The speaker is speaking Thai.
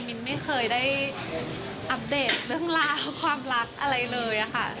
มินไม่เคยได้อัปเดตเรื่องราวความรักอะไรเลยค่ะ